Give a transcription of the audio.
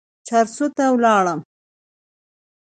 چارسو ته ولاړم.